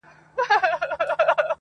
په نازونو په نخرو به ورپسې سو!.